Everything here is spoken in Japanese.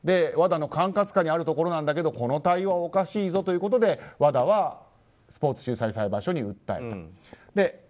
ＷＡＤＡの管轄下にあるところなんだけどこの対応はおかしいぞということでＷＡＤＡはスポーツ仲裁裁判所に訴えた。